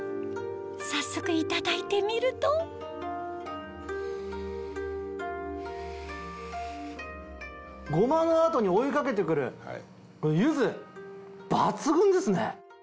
早速いただいてみるとゴマの後に追い掛けて来るゆず抜群ですね！